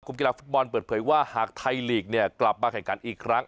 กีฬาฟุตบอลเปิดเผยว่าหากไทยลีกเนี่ยกลับมาแข่งขันอีกครั้ง